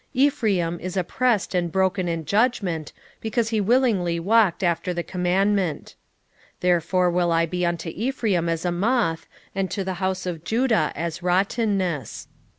5:11 Ephraim is oppressed and broken in judgment, because he willingly walked after the commandment. 5:12 Therefore will I be unto Ephraim as a moth, and to the house of Judah as rottenness.